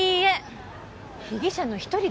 被疑者の一人です。